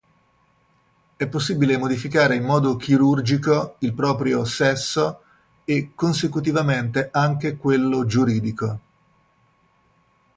È possibile modificare in modo chirurgico il proprio sesso e consecutivamente anche quello giuridico.